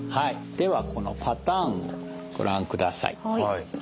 ではこのパターンをご覧ください。